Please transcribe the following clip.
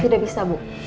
tidak bisa bu